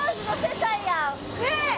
ねえ！